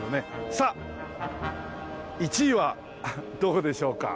さあ１位はどこでしょうか？